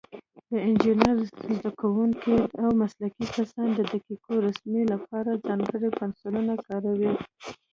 د انجینرۍ زده کوونکي او مسلکي کسان د دقیقو رسمونو لپاره ځانګړي پنسلونه کاروي.